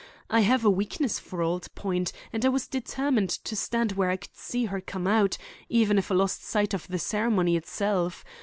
I have a weakness for old point and I was determined to stand where I could see her come out, even if I lost sight of the ceremony itself.